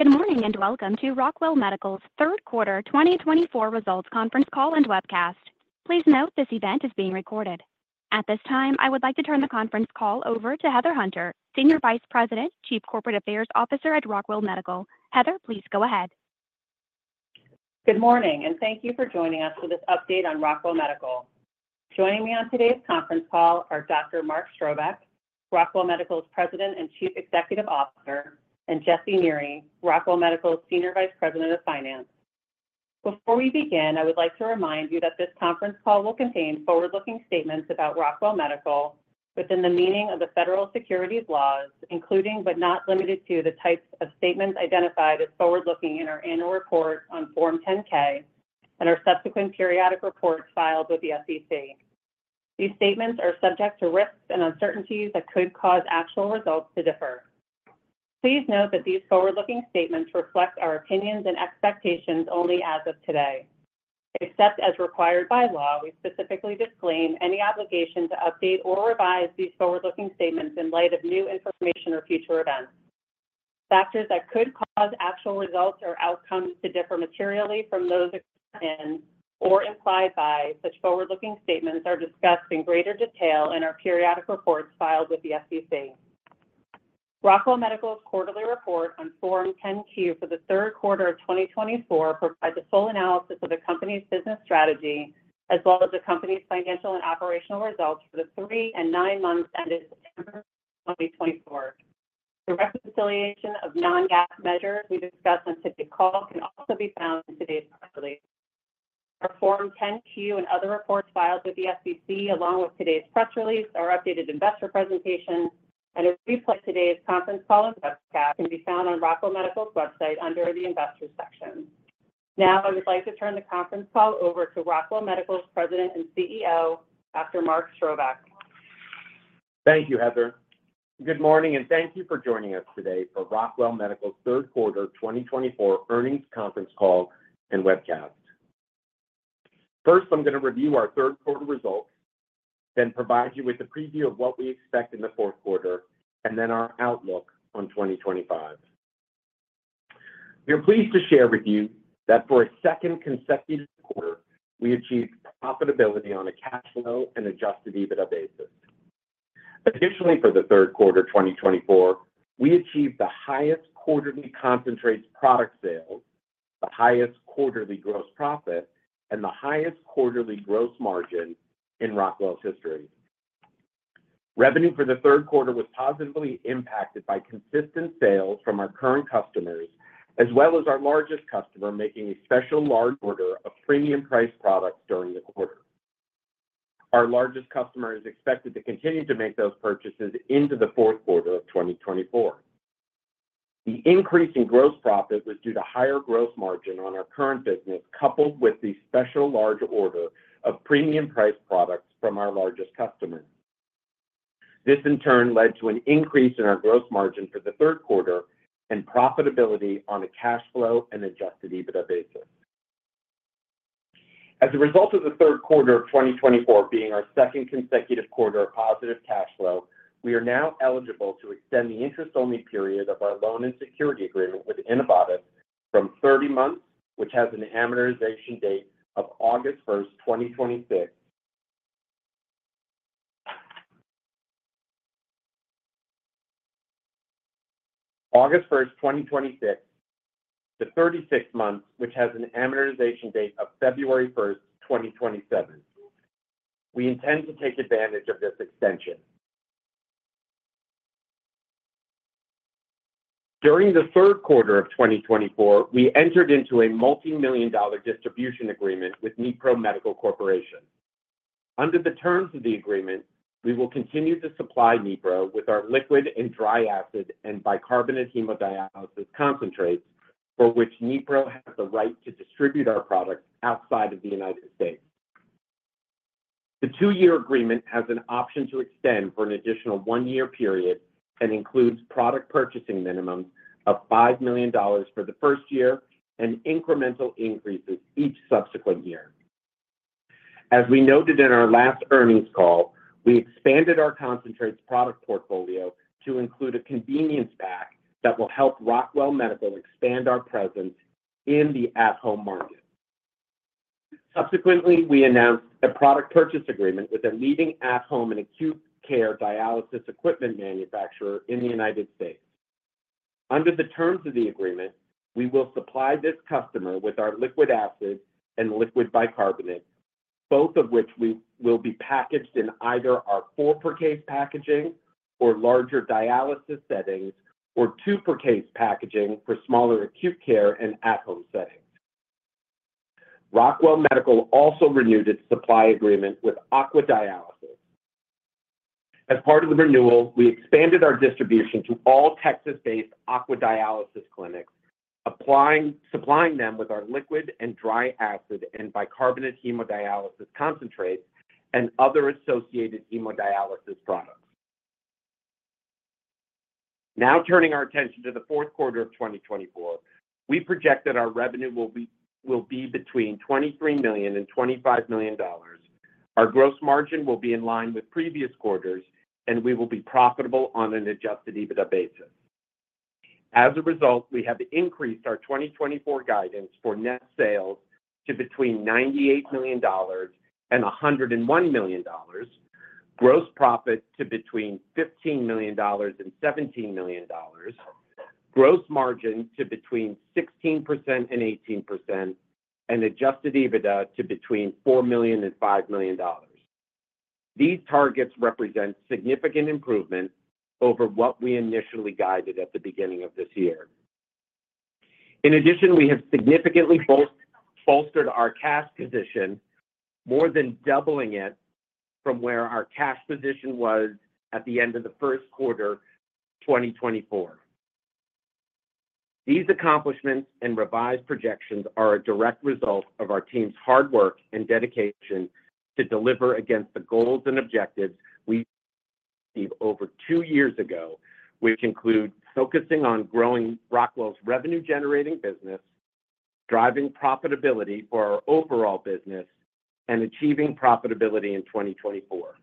Good morning and welcome to Rockwell Medical's third quarter 2024 results conference call and webcast. Please note this event is being recorded. At this time, I would like to turn the conference call over to Heather Hunter, Senior Vice President, Chief Corporate Affairs Officer at Rockwell Medical. Heather, please go ahead. Good morning and thank you for joining us for this update on Rockwell Medical. Joining me on today's conference call are Dr. Mark Strobeck, Rockwell Medical's President and Chief Executive Officer, and Jesse Neri, Rockwell Medical's Senior Vice President of Finance. Before we begin, I would like to remind you that this conference call will contain forward-looking statements about Rockwell Medical within the meaning of the federal securities laws, including but not limited to the types of statements identified as forward-looking in our annual report on Form 10-K and our subsequent periodic reports filed with the SEC. These statements are subject to risks and uncertainties that could cause actual results to differ. Please note that these forward-looking statements reflect our opinions and expectations only as of today. Except as required by law, we specifically disclaim any obligation to update or revise these forward-looking statements in light of new information or future events. Factors that could cause actual results or outcomes to differ materially from those explained or implied by such forward-looking statements are discussed in greater detail in our periodic reports filed with the SEC. Rockwell Medical's quarterly report on Form 10-Q for the third quarter of 2024 provides a full analysis of the company's business strategy as well as the company's financial and operational results for the three and nine months ended in 2024. The reconciliation of non-GAAP measures we discussed on today's call can also be found in today's press release. Our Form 10-Q and other reports filed with the SEC, along with today's press release, our updated investor presentation, and a replay of today's conference call and webcast can be found on Rockwell Medical's website under the Investors section. Now, I would like to turn the conference call over to Rockwell Medical's President and CEO, Dr. Mark Strobeck. Thank you, Heather. Good morning and thank you for joining us today for Rockwell Medical's third quarter 2024 earnings conference call and webcast. First, I'm going to review our third quarter results, then provide you with a preview of what we expect in the fourth quarter, and then our outlook on 2025. We are pleased to share with you that for a second consecutive quarter, we achieved profitability on a cash flow and Adjusted EBITDA basis. Additionally, for the third quarter 2024, we achieved the highest quarterly concentrated product sales, the highest quarterly gross profit, and the highest quarterly gross margin in Rockwell's history. Revenue for the third quarter was positively impacted by consistent sales from our current customers, as well as our largest customer making a special large order of premium-priced products during the quarter. Our largest customer is expected to continue to make those purchases into the fourth quarter of 2024. The increase in gross profit was due to higher gross margin on our current business, coupled with the special large order of premium-priced products from our largest customer. This, in turn, led to an increase in our gross margin for the third quarter and profitability on a cash flow and Adjusted EBITDA basis. As a result of the third quarter of 2024 being our second consecutive quarter of positive cash flow, we are now eligible to extend the interest-only period of our loan and security agreement with Innovatus from 30 months, which has an amortization date of August 1, 2026, to 36 months, which has an amortization date of February 1, 2027. We intend to take advantage of this extension. During the third quarter of 2024, we entered into a multi-million dollar distribution agreement with Nipro Medical Corporation. Under the terms of the agreement, we will continue to supply Nipro with our liquid and dry acid and bicarbonate hemodialysis concentrates, for which Nipro has the right to distribute our products outside of the United States. The two-year agreement has an option to extend for an additional one-year period and includes product purchasing minimums of $5 million for the first year and incremental increases each subsequent year. As we noted in our last earnings call, we expanded our concentrates product portfolio to include a convenience pack that will help Rockwell Medical expand our presence in the at-home market. Subsequently, we announced a product purchase agreement with a leading at-home and acute care dialysis equipment manufacturer in the United States. Under the terms of the agreement, we will supply this customer with our liquid acid and liquid bicarbonate, both of which will be packaged in either our four-pouch packaging for larger dialysis settings or two-pouch packaging for smaller acute care and at-home settings. Rockwell Medical also renewed its supply agreement with AVA Dialysis. As part of the renewal, we expanded our distribution to all Texas-based AVA Dialysis clinics, supplying them with our liquid and dry acid and bicarbonate hemodialysis concentrates and other associated hemodialysis products. Now turning our attention to the fourth quarter of 2024, we project that our revenue will be between $23 million and $25 million. Our gross margin will be in line with previous quarters, and we will be profitable on an Adjusted EBITDA basis. As a result, we have increased our 2024 guidance for net sales to between $98 million and $101 million, gross profit to between $15 million and $17 million, gross margin to between 16% and 18%, and Adjusted EBITDA to between $4 million and $5 million. These targets represent significant improvement over what we initially guided at the beginning of this year. In addition, we have significantly bolstered our cash position, more than doubling it from where our cash position was at the end of the first quarter 2024. These accomplishments and revised projections are a direct result of our team's hard work and dedication to deliver against the goals and objectives we set over two years ago, which include focusing on growing Rockwell's revenue-generating business, driving profitability for our overall business, and achieving profitability in 2024.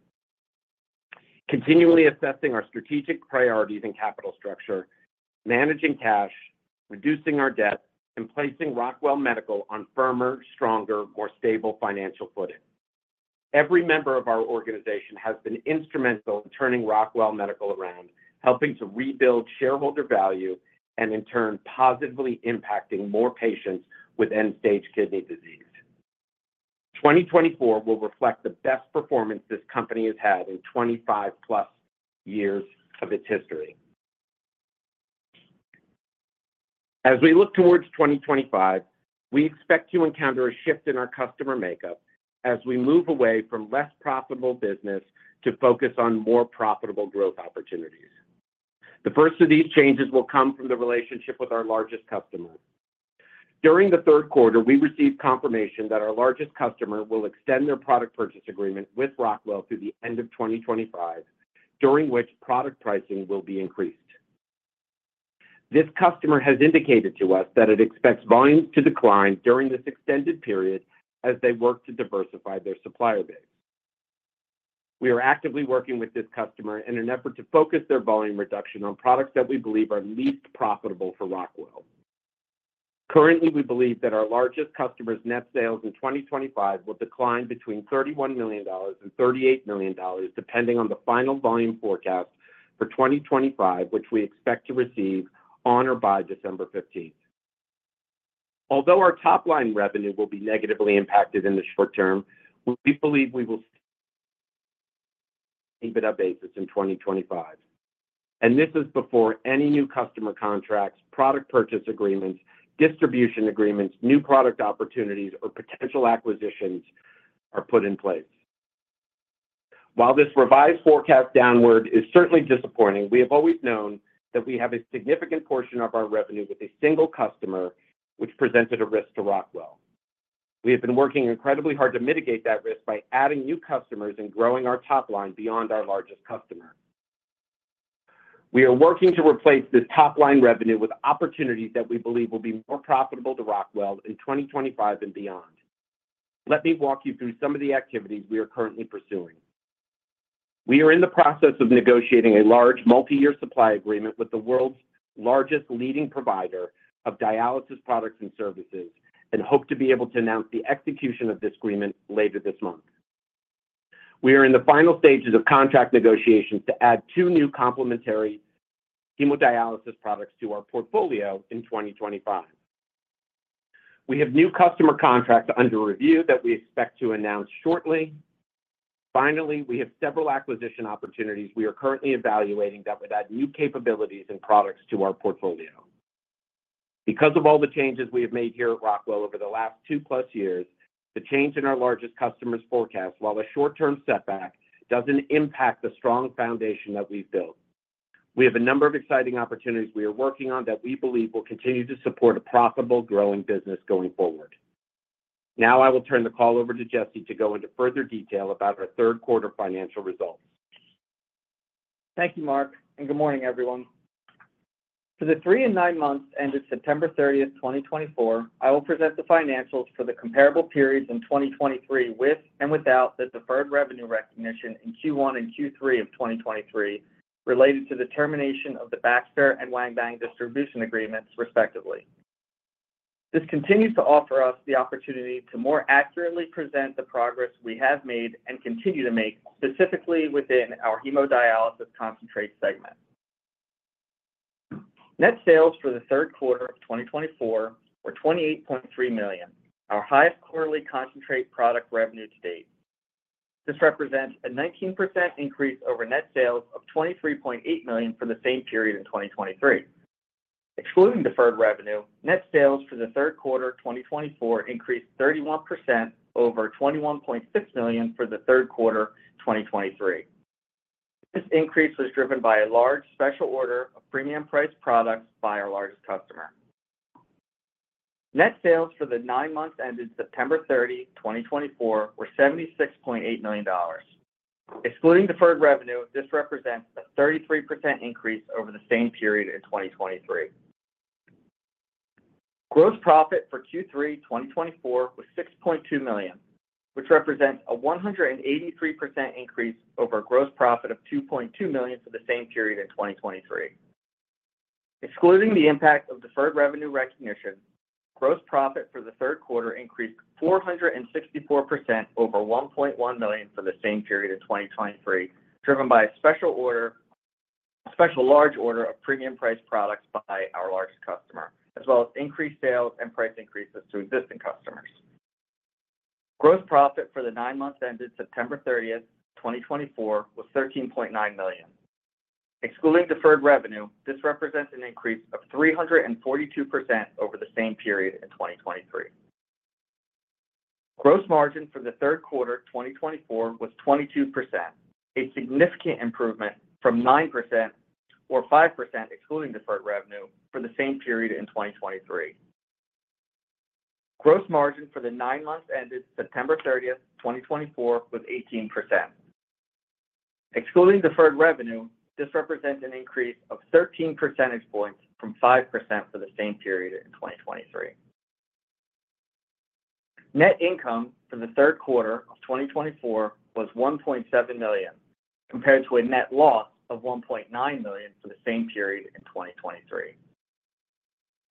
Continually assessing our strategic priorities and capital structure, managing cash, reducing our debt, and placing Rockwell Medical on firmer, stronger, more stable financial footing. Every member of our organization has been instrumental in turning Rockwell Medical around, helping to rebuild shareholder value and, in turn, positively impacting more patients with end-stage kidney disease. 2024 will reflect the best performance this company has had in 25-plus years of its history. As we look towards 2025, we expect to encounter a shift in our customer makeup as we move away from less profitable business to focus on more profitable growth opportunities. The first of these changes will come from the relationship with our largest customer. During the third quarter, we received confirmation that our largest customer will extend their product purchase agreement with Rockwell through the end of 2025, during which product pricing will be increased. This customer has indicated to us that it expects volumes to decline during this extended period as they work to diversify their supplier base. We are actively working with this customer in an effort to focus their volume reduction on products that we believe are least profitable for Rockwell. Currently, we believe that our largest customer's net sales in 2025 will decline between $31 million and $38 million, depending on the final volume forecast for 2025, which we expect to receive on or by December 15th. Although our top-line revenue will be negatively impacted in the short term, we believe we will still maintain an EBITDA basis in 2025, and this is before any new customer contracts, product purchase agreements, distribution agreements, new product opportunities, or potential acquisitions are put in place. While this revised forecast downward is certainly disappointing, we have always known that we have a significant portion of our revenue with a single customer, which presented a risk to Rockwell. We have been working incredibly hard to mitigate that risk by adding new customers and growing our top line beyond our largest customer. We are working to replace this top-line revenue with opportunities that we believe will be more profitable to Rockwell in 2025 and beyond. Let me walk you through some of the activities we are currently pursuing. We are in the process of negotiating a large multi-year supply agreement with the world's largest leading provider of dialysis products and services and hope to be able to announce the execution of this agreement later this month. We are in the final stages of contract negotiations to add two new complementary hemodialysis products to our portfolio in 2025. We have new customer contracts under review that we expect to announce shortly. Finally, we have several acquisition opportunities we are currently evaluating that would add new capabilities and products to our portfolio. Because of all the changes we have made here at Rockwell over the last two-plus years, the change in our largest customer's forecast, while a short-term setback, doesn't impact the strong foundation that we've built. We have a number of exciting opportunities we are working on that we believe will continue to support a profitable, growing business going forward. Now, I will turn the call over to Jesse to go into further detail about our third quarter financial results. Thank you, Mark. And good morning, everyone. For the three and nine months ended September 30, 2024, I will present the financials for the comparable periods in 2023 with and without the deferred revenue recognition in Q1 and Q3 of 2023 related to the termination of the Baxter and Wanbang distribution agreements, respectively. This continues to offer us the opportunity to more accurately present the progress we have made and continue to make specifically within our hemodialysis concentrate segment. Net sales for the third quarter of 2024 were $28.3 million, our highest quarterly concentrate product revenue to date. This represents a 19% increase over net sales of $23.8 million for the same period in 2023. Excluding deferred revenue, net sales for the third quarter of 2024 increased 31% over $21.6 million for the third quarter of 2023. This increase was driven by a large special order of premium-priced products by our largest customer. Net sales for the nine months ended September 30, 2024, were $76.8 million. Excluding deferred revenue, this represents a 33% increase over the same period in 2023. Gross profit for Q3 2024 was $6.2 million, which represents a 183% increase over a gross profit of $2.2 million for the same period in 2023. Excluding the impact of deferred revenue recognition, gross profit for the third quarter increased 464% over $1.1 million for the same period in 2023, driven by a special order, a special large order of premium-priced products by our largest customer, as well as increased sales and price increases to existing customers. Gross profit for the nine months ended September 30, 2024, was $13.9 million. Excluding deferred revenue, this represents an increase of 342% over the same period in 2023. Gross margin for the third quarter 2024 was 22%, a significant improvement from 9% or 5% excluding deferred revenue for the same period in 2023. Gross margin for the nine months ended September 30, 2024, was 18%. Excluding deferred revenue, this represents an increase of 13 percentage points from 5% for the same period in 2023. Net income for the third quarter of 2024 was $1.7 million, compared to a net loss of $1.9 million for the same period in 2023.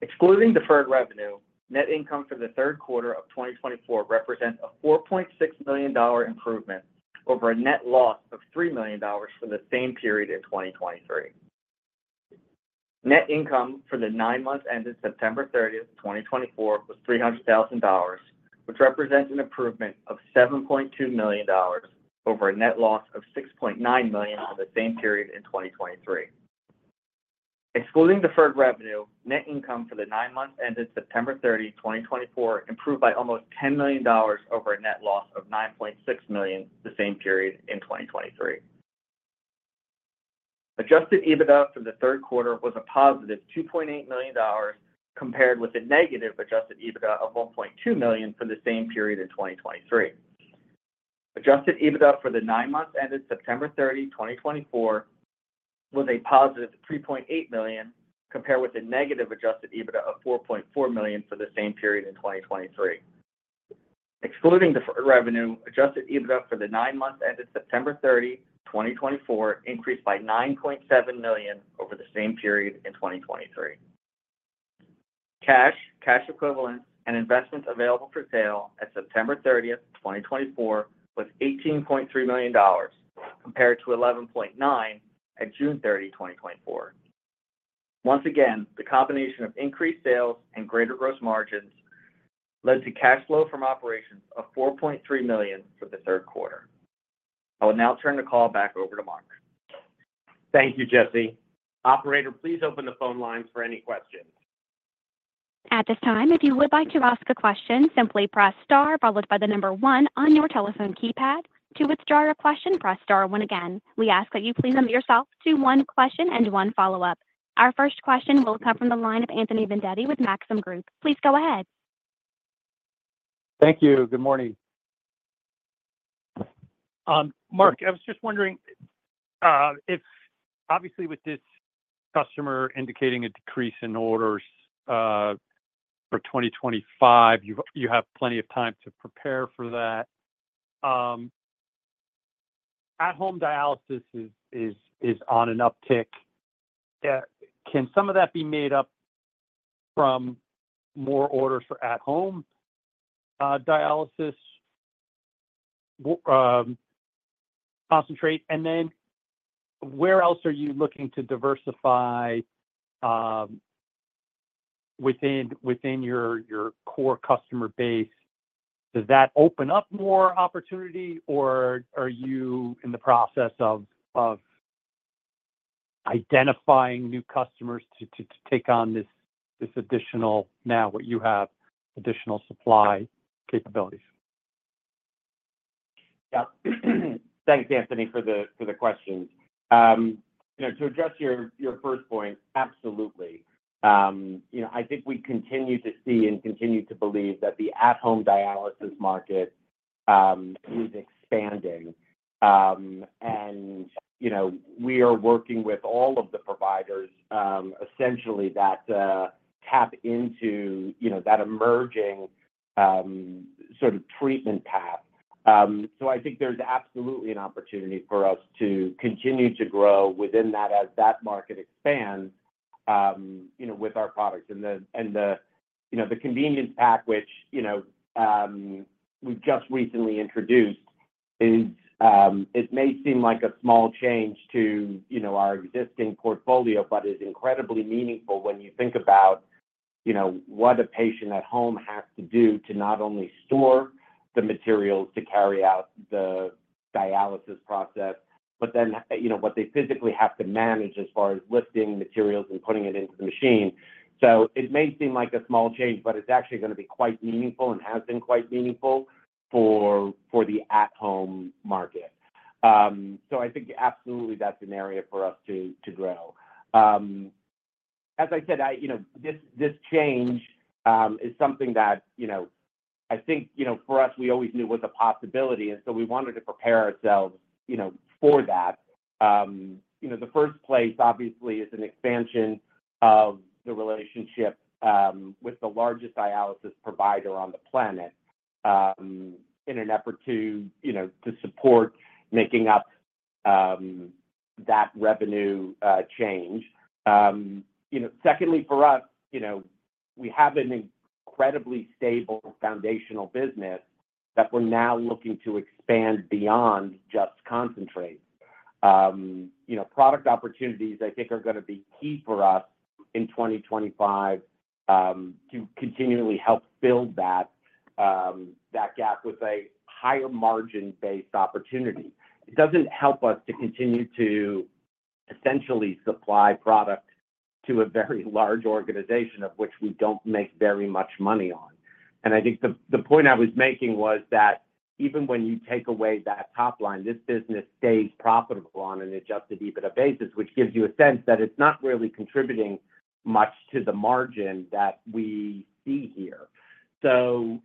Excluding deferred revenue, net income for the third quarter of 2024 represents a $4.6 million improvement over a net loss of $3 million for the same period in 2023. Net income for the nine months ended September 30, 2024, was $300,000, which represents an improvement of $7.2 million over a net loss of $6.9 million for the same period in 2023. Excluding deferred revenue, net income for the nine months ended September 30, 2024, improved by almost $10 million over a net loss of $9.6 million for the same period in 2023. Adjusted EBITDA for the third quarter was a positive $2.8 million, compared with a negative Adjusted EBITDA of $1.2 million for the same period in 2023. Adjusted EBITDA for the nine months ended September 30, 2024, was a positive $3.8 million, compared with a negative Adjusted EBITDA of $4.4 million for the same period in 2023. Excluding deferred revenue, Adjusted EBITDA for the nine months ended September 30, 2024, increased by $9.7 million over the same period in 2023. Cash, cash equivalents, and investments available for sale at September 30, 2024, was $18.3 million, compared to $11.9 million at June 30, 2024. Once again, the combination of increased sales and greater gross margins led to cash flow from operations of $4.3 million for the third quarter. I will now turn the call back over to Mark. Thank you, Jesse. Operator, please open the phone lines for any questions. At this time, if you would like to ask a question, simply press star followed by the number one on your telephone keypad. To withdraw your question, press star one again. We ask that you please limit yourself to one question and one follow-up. Our first question will come from the line of Anthony Vendetti with Maxim Group. Please go ahead. Thank you. Good morning. Mark, I was just wondering if, obviously, with this customer indicating a decrease in orders for 2025, you have plenty of time to prepare for that. At-home dialysis is on an uptick. Can some of that be made up from more orders for at-home dialysis concentrate? And then where else are you looking to diversify within your core customer base? Does that open up more opportunity, or are you in the process of identifying new customers to take on this additional, now what you have, additional supply capabilities? Yeah. Thanks, Anthony, for the questions. To address your first point, absolutely. I think we continue to see and continue to believe that the at-home dialysis market is expanding. And we are working with all of the providers essentially that tap into that emerging sort of treatment path. So I think there's absolutely an opportunity for us to continue to grow within that as that market expands with our products. And the convenience pack, which we've just recently introduced, it may seem like a small change to our existing portfolio, but it's incredibly meaningful when you think about what a patient at home has to do to not only store the materials to carry out the dialysis process, but then what they physically have to manage as far as lifting materials and putting it into the machine. So it may seem like a small change, but it's actually going to be quite meaningful and has been quite meaningful for the at-home market. So I think absolutely that's an area for us to grow. As I said, this change is something that I think for us, we always knew was a possibility, and so we wanted to prepare ourselves for that. The first place, obviously, is an expansion of the relationship with the largest dialysis provider on the planet in an effort to support making up that revenue change. Secondly, for us, we have an incredibly stable foundational business that we're now looking to expand beyond just concentrate. Product opportunities, I think, are going to be key for us in 2025 to continually help fill that gap with a higher margin-based opportunity. It doesn't help us to continue to essentially supply product to a very large organization of which we don't make very much money on. And I think the point I was making was that even when you take away that top line, this business stays profitable on an Adjusted EBITDA basis, which gives you a sense that it's not really contributing much to the margin that we see here. So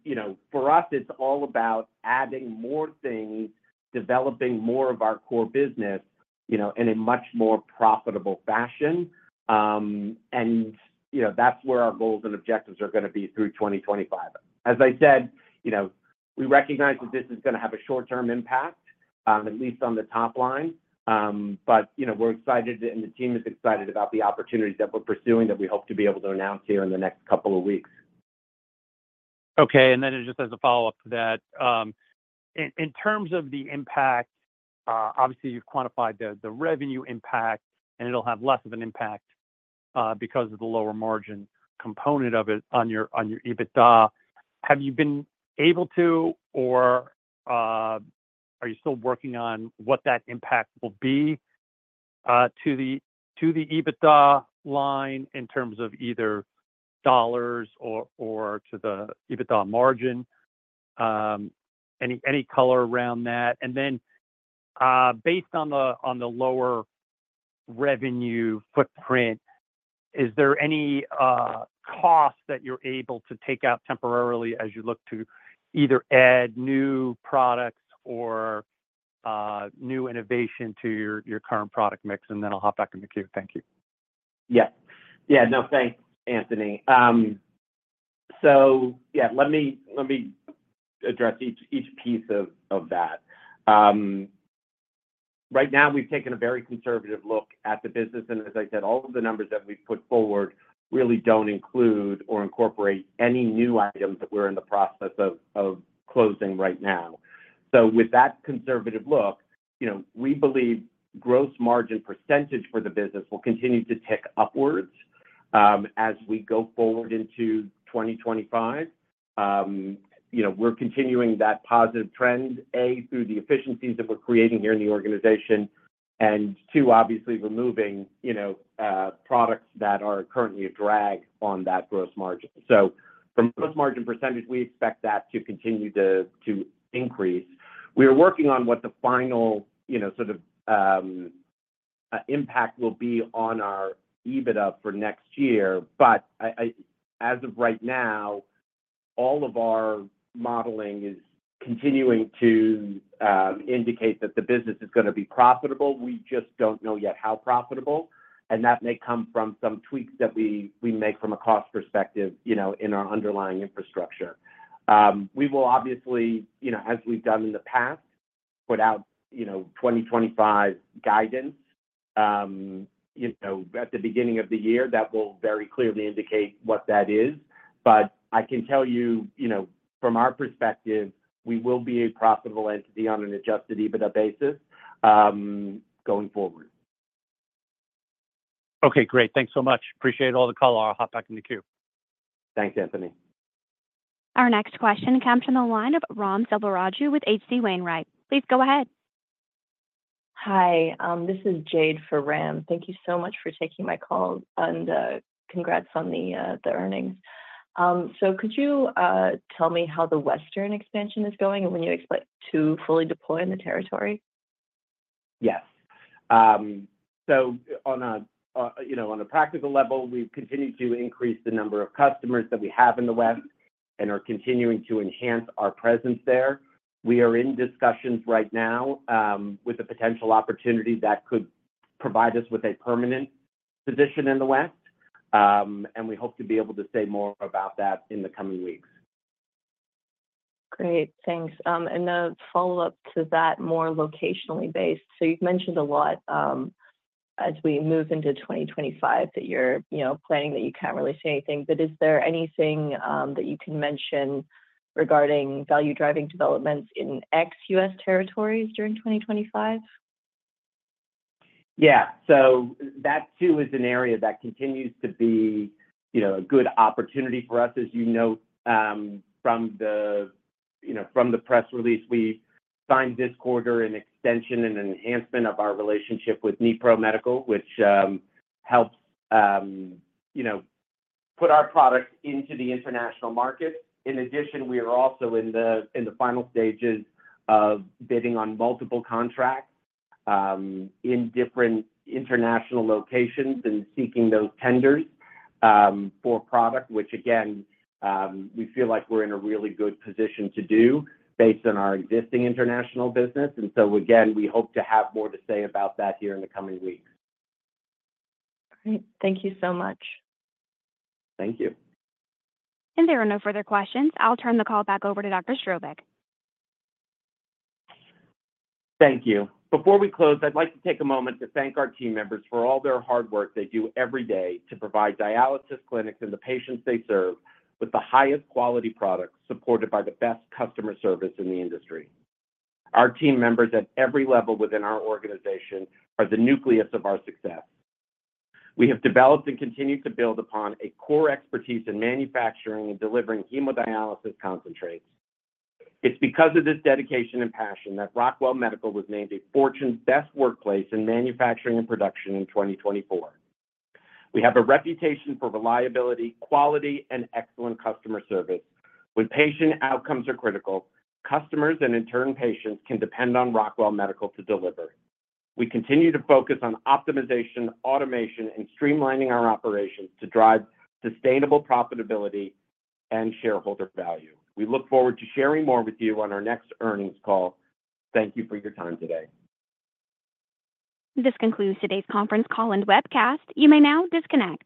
for us, it's all about adding more things, developing more of our core business in a much more profitable fashion. And that's where our goals and objectives are going to be through 2025. As I said, we recognize that this is going to have a short-term impact, at least on the top line. But we're excited, and the team is excited about the opportunities that we're pursuing that we hope to be able to announce here in the next couple of weeks. Okay. And then just as a follow-up to that, in terms of the impact, obviously, you've quantified the revenue impact, and it'll have less of an impact because of the lower margin component of it on your EBITDA. Have you been able to, or are you still working on what that impact will be to the EBITDA line in terms of either dollars or to the EBITDA margin? Any color around that? And then based on the lower revenue footprint, is there any cost that you're able to take out temporarily as you look to either add new products or new innovation to your current product mix? And then I'll hop back in the queue. Thank you. Yes. Yeah. No, thanks, Anthony. So yeah, let me address each piece of that. Right now, we've taken a very conservative look at the business, and as I said, all of the numbers that we've put forward really don't include or incorporate any new items that we're in the process of closing right now, so with that conservative look, we believe gross margin percentage for the business will continue to tick upwards as we go forward into 2025. We're continuing that positive trend, A, through the efficiencies that we're creating here in the organization, and two, obviously, removing products that are currently a drag on that gross margin, so for gross margin percentage, we expect that to continue to increase. We are working on what the final sort of impact will be on our EBITDA for next year. But as of right now, all of our modeling is continuing to indicate that the business is going to be profitable. We just don't know yet how profitable. And that may come from some tweaks that we make from a cost perspective in our underlying infrastructure. We will, obviously, as we've done in the past, put out 2025 guidance at the beginning of the year that will very clearly indicate what that is. But I can tell you, from our perspective, we will be a profitable entity on an Adjusted EBITDA basis going forward. Okay. Great. Thanks so much. Appreciate all the color. I'll hop back in the queue. Thanks, Anthony. Our next question comes from the line of Ram Selvaraju with H.C. Wainwright. Please go ahead. Hi. This is Jade for Ram. Thank you so much for taking my call and congrats on the earnings. So could you tell me how the Western expansion is going and when you expect to fully deploy in the territory? Yes. So on a practical level, we've continued to increase the number of customers that we have in the West and are continuing to enhance our presence there. We are in discussions right now with a potential opportunity that could provide us with a permanent position in the West. And we hope to be able to say more about that in the coming weeks. Great. Thanks. And a follow-up to that, more locationally based. So you've mentioned a lot as we move into 2025 that you're planning that you can't really see anything. But is there anything that you can mention regarding value-driving developments in ex-U.S. territories during 2025? Yeah, so that, too, is an area that continues to be a good opportunity for us. As you know from the press release, we signed this quarter an extension and enhancement of our relationship with Nipro Medical, which helps put our product into the international market. In addition, we are also in the final stages of bidding on multiple contracts in different international locations and seeking those tenders for product, which, again, we feel like we're in a really good position to do based on our existing international business, and so, again, we hope to have more to say about that here in the coming weeks. All right. Thank you so much. Thank you. If there are no further questions, I'll turn the call back over to Dr. Strobeck. Thank you. Before we close, I'd like to take a moment to thank our team members for all their hard work they do every day to provide dialysis clinics and the patients they serve with the highest quality products supported by the best customer service in the industry. Our team members at every level within our organization are the nucleus of our success. We have developed and continue to build upon a core expertise in manufacturing and delivering hemodialysis concentrates. It's because of this dedication and passion that Rockwell Medical was named a Fortune's Best Workplace in Manufacturing and Production in 2024. We have a reputation for reliability, quality, and excellent customer service. When patient outcomes are critical, customers and, in turn, patients can depend on Rockwell Medical to deliver. We continue to focus on optimization, automation, and streamlining our operations to drive sustainable profitability and shareholder value. We look forward to sharing more with you on our next earnings call. Thank you for your time today. This concludes today's conference call and webcast. You may now disconnect.